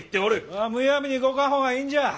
むやみに動かん方がいいんじゃ。